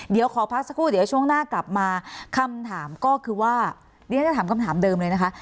เดี๋ยวขอพักสักครู่เดี๋ยวช่วงหน้ากลับมาคำถามก็คือว่าดิฉันจะถามคำถามเดิมเลยนะคะ